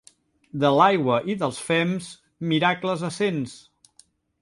De l'aigua i dels fems, miracles a cents.